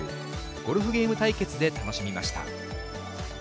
ゴルフゲーム対決で楽しみました。